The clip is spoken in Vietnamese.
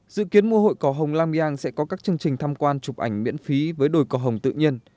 dự kiến mùa hội cỏ hồng la myan sẽ có các chương trình tham quan chụp ảnh miễn phí với đồi cỏ hồng tự nhiên